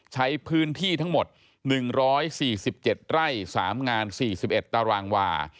ใช้พื้นที่ทั้งหมด๑๔๗ไร่๓งาน๔๑ตารางวา